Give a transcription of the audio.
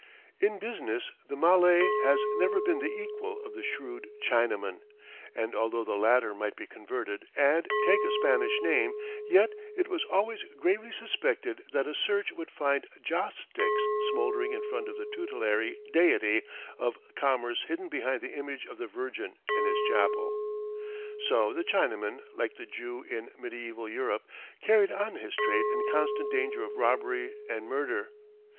In business the Malay has never been the equal of the shrewd Chinaman, and although the latter might be converted and take a Spanish name, yet it was always gravely suspected that a search would find joss sticks smoldering in front of the tutelary deity of commerce hidden behind the image of the Virgin in his chapel. So the Chinaman, like the Jew in medieval Europe, carried on his trade in constant danger of robbery and murder.